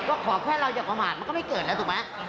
ก็ขอแค่เราอย่าประมาทมันก็ไม่เกิดแล้วถูกไหม